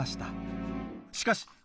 しかし？